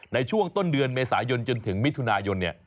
ในช่วงต้นเดือนเมษายนจนถึงมิถุนายน